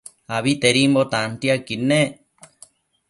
Abitedimbo tantiaquid nec